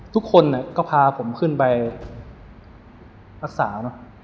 ทุกคนก็พาผมขึ้นไปรักษาเนอะ